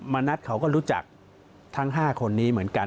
มณัฐเขาก็รู้จักทั้ง๕คนนี้เหมือนกัน